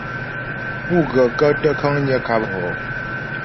Pú gaə̂kə́ tə kə̀ŋgnə̀ ŋkâp hɔ ?